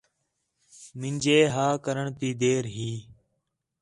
مینجے ہا کرݨ تی دیر ہی